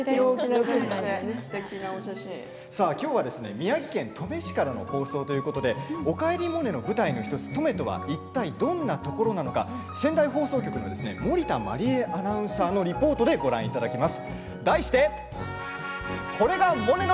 宮城県登米市からの放送ということで「おかえりモネ」に登場する登米市はどんなところなのか仙台放送局森田茉里恵アナウンサーにリポートしていただきます。